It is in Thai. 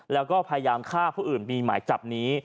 แล้วก็พยายามฆ่าผู้อื่นมีหมายจับนี้